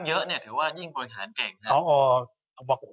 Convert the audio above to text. เยอะถือว่ายิ่งบริการเก่งครับ